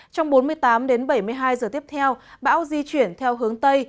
trong bốn mươi tám bảy mươi hai h tiếp theo bão di chuyển theo hướng tây